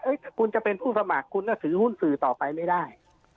คุณจะเป็นผู้สมัครคุณก็ถือหุ้นสื่อต่อไปไม่ได้